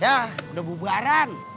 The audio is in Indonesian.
yah udah bubaran